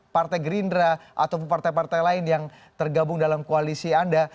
partai gerindra atau partai partai lain yang tergabung dalam koalisi anda